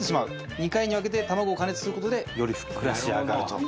２回に分けて卵を加熱する事でよりふっくら仕上がると。